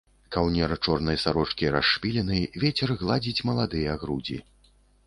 Каўнер чорнай сарочкі расшпілены, вецер гладзіць маладыя грудзі.